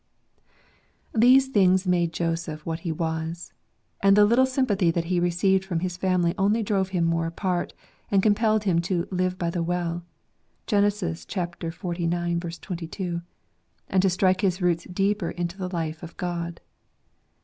These things made Joseph what he was. And the little sympathy that he received from his family only drove him more apart, and compelled him to live "by the well" (Gen, xlix. 22), and to strike his roots deeper into the life of God.